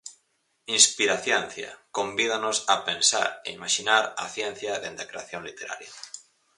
"Inspiraciencia" convídanos a pensar e imaxinar a ciencia dende a creación literaria.